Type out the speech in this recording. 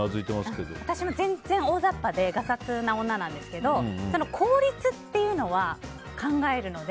私も大雑把でガサツな女なんですけど効率っていうのは考えるので